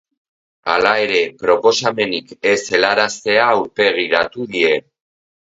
Hala ere, proposamenik ez helaraztea aurpegiratu die.